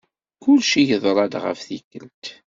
Kulci yeḍra-d ɣef tikelt.